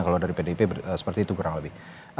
kalau dari pdip seperti itu kurang lebih